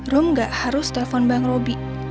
rum gak harus telfon bang robi